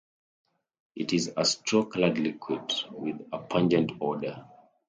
It is a straw-coloured liquid with a pungent odor.